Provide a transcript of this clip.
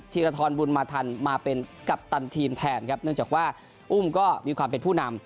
ธีรทรบุญมาทันมาเป็นกัปตันทีมแทนครับเนื่องจากว่าอุ้มก็มีความเป็นผู้นำ